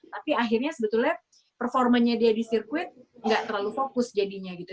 tapi akhirnya sebetulnya performanya dia di sirkuit gak terlalu fokus jadinya gitu